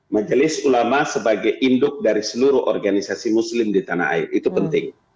majelis ulama sebagai induk dari seluruh organisasi muslim di tanah air itu penting